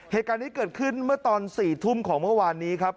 เหตุการณ์นี้เกิดขึ้นเมื่อตอน๔ทุ่มของเมื่อวานนี้ครับ